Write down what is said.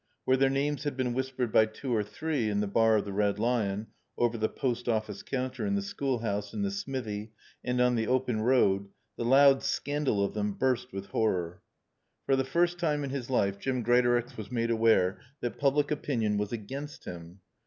Where their names had been whispered by two or three in the bar of the Red Lion, over the post office counter, in the schoolhouse, in the smithy, and on the open road, the loud scandal of them burst with horror. For the first time in his life Jim Greatorex was made aware that public opinion was against him.